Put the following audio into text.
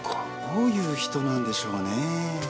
どういう人なんでしょうね。